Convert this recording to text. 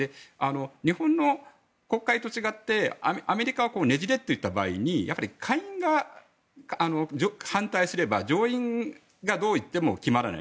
日本の国会と違ってアメリカはねじれといった場合にやはり下院が反対すれば上院がどういっても決まらない。